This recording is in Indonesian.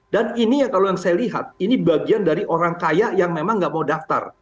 dan ini kalau yang saya lihat ini bagian dari orang kaya yang memang nggak mau daftar